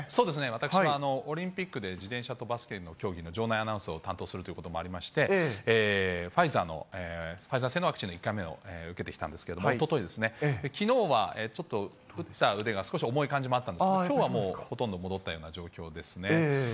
私もオリンピックで自転車とバスケの競技の場内アナウンスを担当するということもありまして、ファイザーの、ファイザー製のワクチンの接種を受けてきたんですけれども、おとといですね、きのうはちょっと打った腕が少し重い感じもあったんですけれども、きょうはもう、ほとんど戻ったような状況ですね。